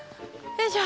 よいしょ。